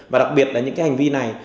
và đặc biệt là những cái hành vi này